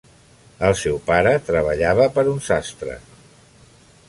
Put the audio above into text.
El seu pare treballava per a un sastre.